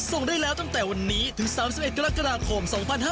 ส่งได้แล้วตั้งแต่วันนี้ถึง๓๑กรกฎาคม๒๕๕๙